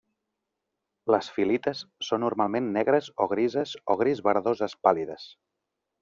Les fil·lites són normalment negres o grises o gris verdoses pàl·lides.